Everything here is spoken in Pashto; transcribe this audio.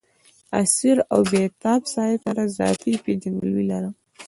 اسیر او بېتاب صاحب سره ذاتي پېژندګلوي لرم.